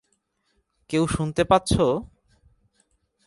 কেউ শুনতে পাচ্ছ?